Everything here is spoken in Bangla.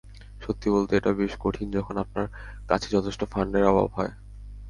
সত্যি বলতে, এটা বেশ কঠিন যখন আপনার কাছে যথেষ্ট ফান্ডের অভাব হয়।